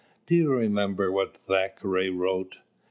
Do you remember what Thackeray wrote?